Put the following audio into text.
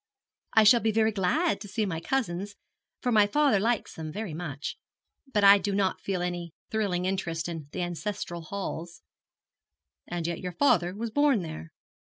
'I shall be very glad to see my cousins, for my father likes them very much; but I do not feel any thrilling interest in the ancestral halls.' 'And yet your father was born there.'